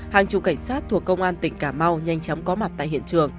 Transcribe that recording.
hàng chục cảnh sát thuộc công an tỉnh cà mau nhanh chóng có mặt tại hiện trường